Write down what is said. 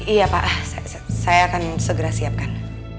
iya pak saya akan segera siapkan